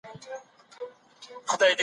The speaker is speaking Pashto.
ته ولي ډوډۍ پخوې؟